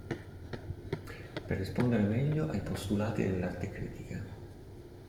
Per rispondere meglio ai postulati dell'arte critica.